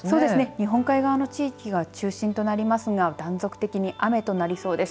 日本海側の地域が中心となりますが断続的に雨となりそうです。